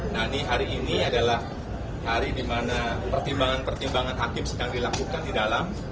nah ini hari ini adalah hari di mana pertimbangan pertimbangan hakim sedang dilakukan di dalam